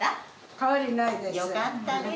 変わりないです。